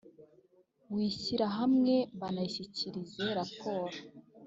w ishyirahamwe banayishyikirize raporo